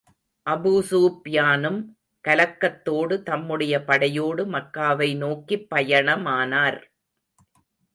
அபூஸூப்யானும் கலக்கத்தோடு, தம்முடைய படையோடு மக்காவை நோக்கிப் பயணமானார்.